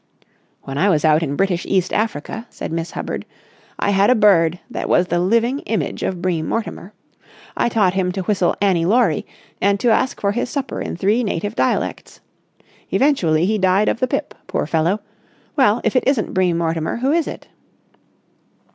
"When I was out in British East Africa," said Miss Hubbard, "I had a bird that was the living image of Bream Mortimer. I taught him to whistle 'Annie Laurie' and to ask for his supper in three native dialects. Eventually he died of the pip, poor fellow. Well, if it isn't Bream Mortimer, who is it?"